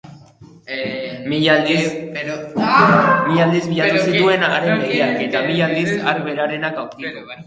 Mila aldiz bilatu zituen haren begiak, eta mila aldiz hark berarenak aurkitu.